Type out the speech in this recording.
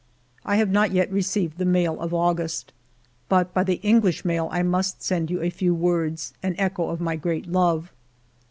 I have not yet received the mail of August. But by the Enghsh mail I must send you a few words, — an echo of my great love.